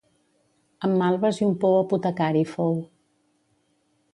Amb malves i un pou apotecari fou.